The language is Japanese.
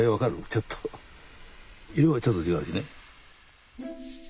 ちょっと色がちょっと違うよね。